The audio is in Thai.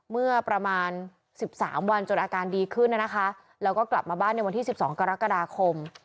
เมื่อประมาณ๑๓วันจนอาการดีขึ้นนะคะแล้วก็กลับมาบ้านในวันที่๑๒กรกฎาคม